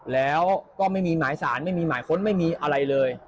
แล้วก็ไม่มีหมายสารไม่มีหมายค้นไม่มีอะไรเลย